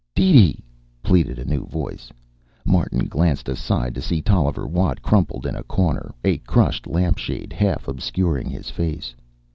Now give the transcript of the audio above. "DeeDee!" pleaded a new voice. Martin glanced aside to see Tolliver Watt crumpled in a corner, a crushed lamp shade half obscuring his face.